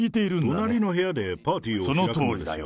隣の部屋でパーティーを開くそのとおりだよ。